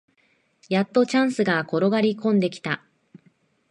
やっとチャンスが転がりこんできた